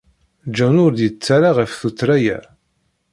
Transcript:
John ur d-yettarra ɣef tuttra-a.